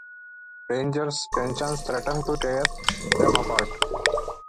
Rangers, tensions threaten to tear them apart.